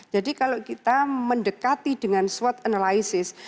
jadi kalau kita mendekati dengan swot analysis